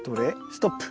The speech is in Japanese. ストップ。